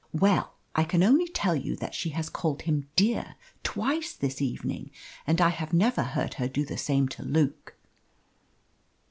"Well, I can only tell you that she has called him 'dear' twice this evening, and I have never heard her do the same to Luke."